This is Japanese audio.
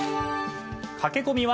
駆け込みは？